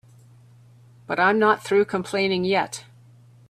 But I'm not through complaining yet.